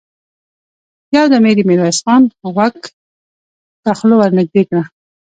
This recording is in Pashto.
يودم يې د ميرويس خان غوږ ته خوله ور نږدې کړه!